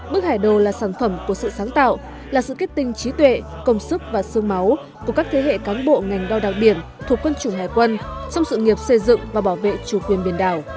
bức hải đồ là sản phẩm của sự sáng tạo là sự kết tinh trí tuệ công sức và sương máu của các thế hệ cán bộ ngành đo đạc biển thuộc quân chủng hải quân trong sự nghiệp xây dựng và bảo vệ chủ quyền biển đảo